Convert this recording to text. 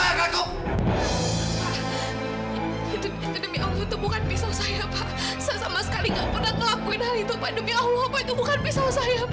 saya sama sekali nggak pernah ngelakuin hal itu